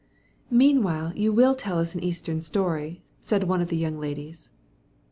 "Meanwhile you will tell us an Eastern story," said one of the young ladies.